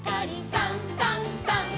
「さんさんさん」